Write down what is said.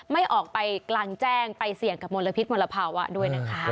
ไม่ออกไปกลางแจ้งไปเสี่ยงกับมลพิษมลภาวะด้วยนะคะ